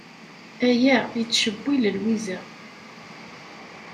Aya yettcewwil Lwiza.